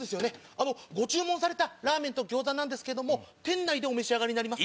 ご注文されたラーメンと餃子なんですけれども店内でお召し上がりですか？